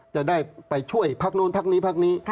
จะได้ไปช่วยภักด์นู้นภักด์นี้ภักด์นี้